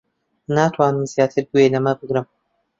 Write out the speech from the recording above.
ناتوانم زیاتر گوێ لەمە بگرم.